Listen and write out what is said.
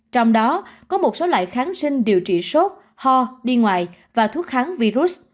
trong đó có một số loại kháng sinh điều trị sốt ho đi ngoài và thuốc kháng virus